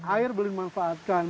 air belum dimanfaatkan